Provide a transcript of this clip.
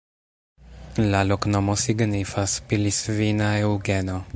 La loknomo signifas: Pilisvina-Eŭgeno.